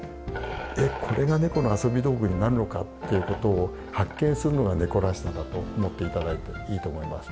えっこれがネコの遊び道具になるのかっていうことを発見するのがネコらしさだと思っていただいていいと思います。